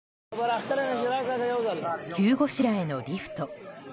急ごしらえのリフト。